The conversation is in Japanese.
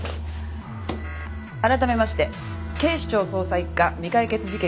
改めまして警視庁捜査一課未解決事件